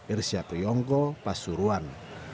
irsyad riongko pasuruan